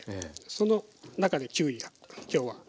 その中でキウイが今日は。